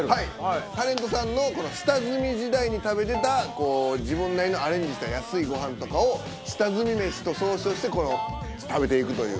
タレントさんの下積み時代に食べてた自分なりのアレンジした安いごはんとかを下積み飯と総称して食べていくという。